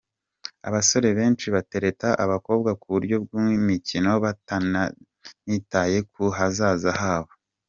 Abasore benshi batereta abakobwa ku buryo bw’imikino batanitaye ku hazaza habo.